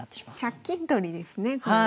借金取りですねこれは。